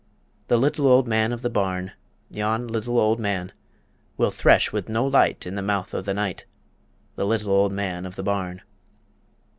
The Little Old Man of the Barn, Yon Little Old Man Will thresh with no light in the mouth of the night, The Little Old Man of the Barn.